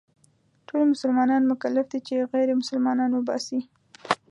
ټول مسلمانان مکلف دي چې غير مسلمانان وباسي.